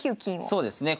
そうですね。